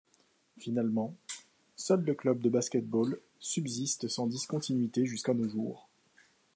Finalement, seul le club de basket-ball subsiste sans discontinuité jusqu'à nos jours.